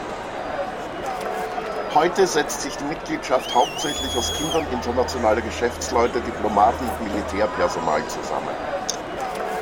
Heute setzt sich die Mitgliedschaft hauptsächlich aus Kindern internationaler Geschäftsleute, Diplomaten und Militärpersonal zusammen.